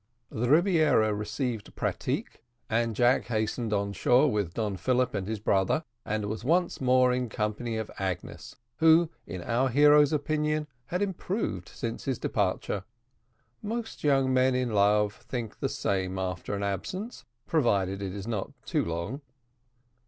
The Rebiera received pratique, and Jack hastened on shore with Don Philip and his brother, and was once more in company of Agnes, who, in our hero's opinion, had improved since his departure. Most young men in love think the same after an absence, provided it is not too long.